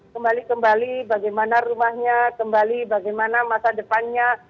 kembali kembali bagaimana rumahnya kembali bagaimana masa depannya